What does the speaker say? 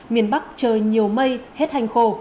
miền bắc trời nhiều mây hết hành khô